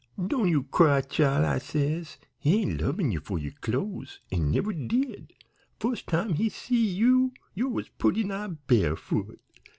"'Doan' you cry, chile,' I says. 'He ain't lovin' ye for yo' clo'es, an' never did. Fust time he see ye yo' was purty nigh barefoot.